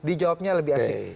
di jawabnya lebih asing